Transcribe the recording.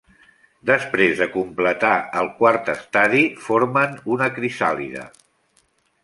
Després de completar el quart estadi, formen una crisàlide.